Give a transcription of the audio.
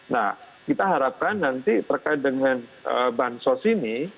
nah kita harapkan nanti terkait dengan bahan sos ini